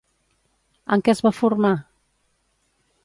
En què es va formar?